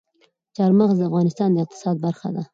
چار مغز د افغانستان د اقتصاد برخه ده.